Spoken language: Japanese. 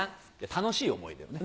楽しい思い出をね。